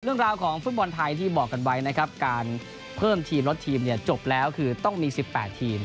เรื่องราวของฟุตบอลไทยที่บอกกันไว้นะครับการเพิ่มทีมลดทีมเนี่ยจบแล้วคือต้องมี๑๘ทีม